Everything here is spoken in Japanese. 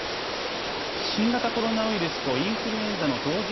新型コロナウイルスとインフルエンザの同時